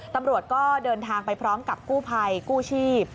ตำรวจก็เดินทางไปพร้อมกับกู้ภัยกู้ชีพ